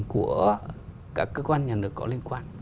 của các cơ quan nhà nước có liên quan